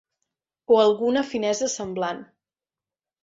O alguna finesa semblant.